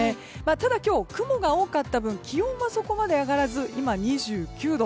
ただ今日、雲が多かった分気温はそこまで上がらず今、２９度。